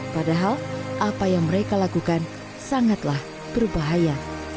padahal apa yang mereka lakukan sangatlah berbahaya